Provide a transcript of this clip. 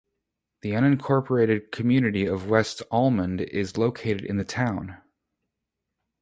The unincorporated community of West Almond is located in the town.